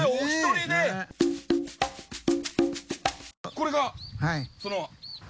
これがその。